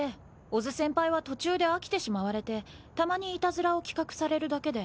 小津先輩は途中で飽きてしまわれてたまにいたずらを企画されるだけで。